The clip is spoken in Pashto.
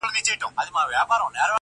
د سوځېدلو لرگو زور خو له هندو سره وي_